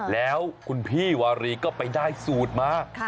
แล้วคุณพี่วารีก็ไปได้สูตรมา